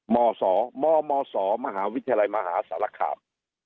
มศมศมหาวิทยาลัยมหาศาลักคราบ